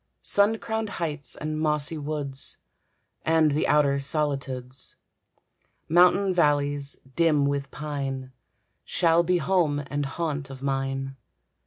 Sun crowned heights and mossy woods, And the outer solitudes, Mountain valleys, dim with pine, Shall be home and haunt of mine.